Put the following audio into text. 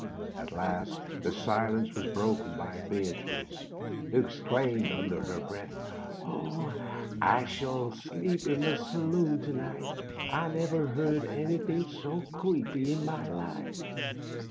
At last the silence was broken by Beatrice^ who exclaimed under her breath, I shall sleep in the saloon to night I I never heard anything so creepy in my lif e.